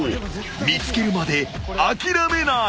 見つけるまで諦めない］